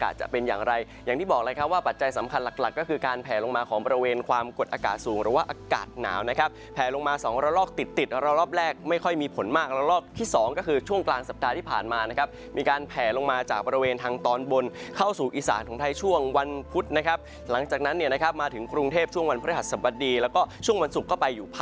สูงหรือว่าอากาศหนาวนะครับแผลลงมาสองรอลอกติดติดรอลอบแรกไม่ค่อยมีผลมากรอลอกที่สองก็คือช่วงกลางสัปดาห์ที่ผ่านมานะครับมีการแผลลงมาจากบริเวณทางตอนบนเข้าสู่อีสานของไทยช่วงวันพุธนะครับหลังจากนั้นเนี่ยนะครับมาถึงกรุงเทพฯช่วงวันพฤหัสสบดีแล้วก็ช่วงวันศุกร์ก็ไปอยู่ภ